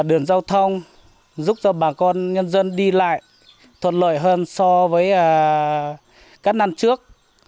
đường giao thông giúp cho bà con nhân dân đi lại thuận lợi hơn so với các năm trước